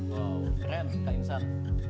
wow keren kak insan